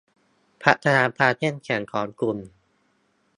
พัฒนาความเข้มแข็งของกลุ่ม